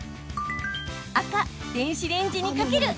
赤・電子レンジにかける。